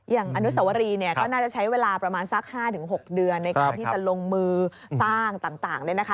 อย่างอนุสวรีก็น่าจะใช้เวลาประมาณสัก๕๖เดือนในการที่จะลงมือต้างเลยนะคะ